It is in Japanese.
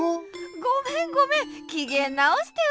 ごめんごめんきげんなおしてよ